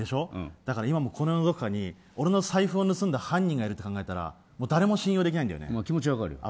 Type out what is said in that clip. だから今もこの世のどこかに俺の財布を盗んだ犯人がいるって考えたら気持ちは分かる。